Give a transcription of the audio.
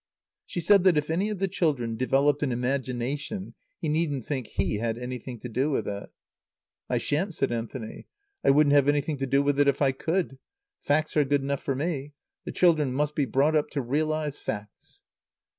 She said that if any of the children developed an imagination he needn't think he had anything to do with it. "I shan't," said Anthony. "I wouldn't have anything to do with it if I could. Facts are good enough for me. The children must be brought up to realize facts."